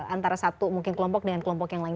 antara satu mungkin kelompok dengan kelompok yang lain